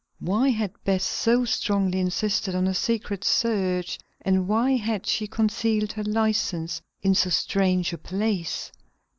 Why had Bess so strongly insisted on a secret search, and why had she concealed her license in so strange a place?